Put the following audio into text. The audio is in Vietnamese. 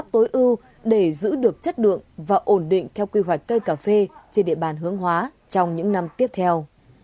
tối ưu để giữ được chất lượng và ổn định theo quy hoạch cây cà phê trên địa bàn hướng hóa trong những năm tiếp theo